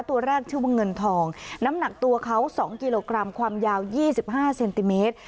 ตัวแรกชื่อว่าเงินทองน้ำหนักตัวเขา๒กิโลกรัมความยาว๒๕เซนติเมตร